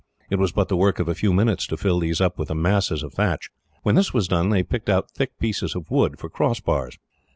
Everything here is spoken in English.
It was but the work of a few minutes to fill these up with the masses of thatch. When this was done, they picked out thick pieces of wood for crossbars.